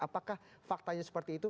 apakah faktanya seperti itu